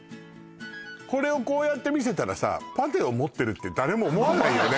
これをこうやって見せたらさパティを持ってるって誰も思わないよね